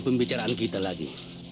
pembicaraan kita lagi